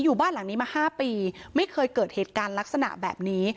อยู่บ้านหลังนี้มา๕ปีไม่เคยเกิดเหตุการณ์ลักษณะแบบนี้